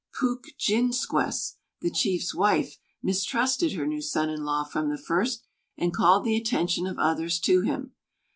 "Pūkjinsquess," the chief's wife, mistrusted her new son in law from the first, and called the attention of others to him.